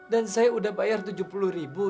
dan saya sudah bayar tujuh puluh ribu